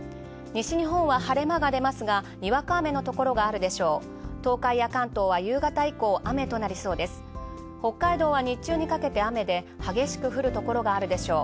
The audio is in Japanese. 西日本は晴れ間が出ますが、にわか雨のところがあるでしょう。